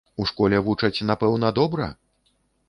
У школе вучаць, напэўна, добра?